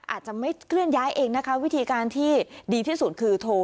อาจจะไม่เคลื่อนย้ายเองนะคะวิธีการที่ดีที่สุดคือโทร